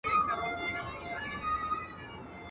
اجل چي راسي، وخت نه غواړي.